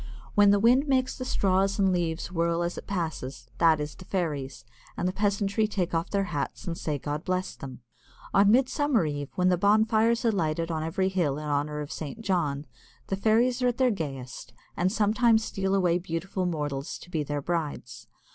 When the wind makes the straws and leaves whirl as it passes, that is the fairies, and the peasantry take off their hats and say, "God bless them." On Midsummer Eve, when the bonfires are lighted on every hill in honour of St. John, the fairies are at their gayest, and sometime steal away beautiful mortals to be their brides.